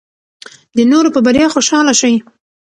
د نورو په بریا خوشحاله شئ.